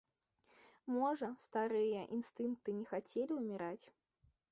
Можа, старыя інстынкты не хацелі ўміраць?